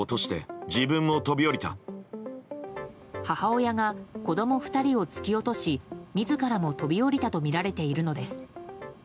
母親が子供２人を突き落とし自らも飛び降りたとみられているのです。